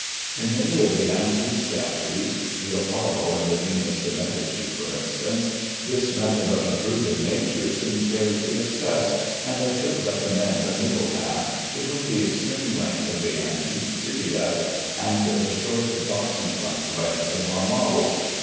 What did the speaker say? In many of the antique statues (the Apollo and the Venus de Medici, for instance) this method of improving nature seems carried to excess, and I should recommend a middle path between the extreme length of the antique tibiæ and the short Dachshund like legs of our models.